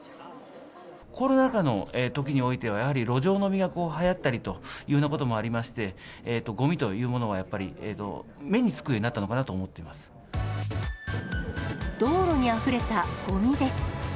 コロナ禍のときにおいては、やはり路上飲みがはやったりというようなこともありまして、ごみというものがやっぱり、目につくようになったのかなと思道路にあふれたごみです。